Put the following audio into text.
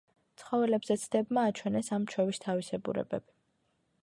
ცხოველებზე ცდებმა აჩვენეს, ამ ჩვევის თავისებურებები.